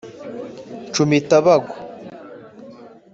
nshumita bagwa